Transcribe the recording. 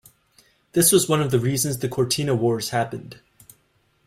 This was one of the reasons the Cortina Wars happened.